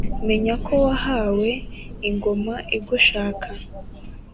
menya ko wahawe ingoma igushaka